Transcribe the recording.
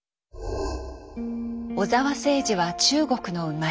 小澤征爾は中国の生まれ。